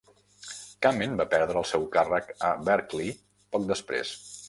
Kamen va perdre el seu càrrec a Berkeley poc després.